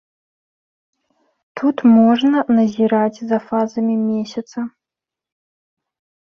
Тут можна назіраць за фазамі месяца.